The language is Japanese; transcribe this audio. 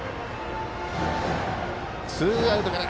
ツーアウトから。